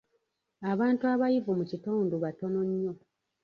Abantu abayivu mu kitundu batono nnyo.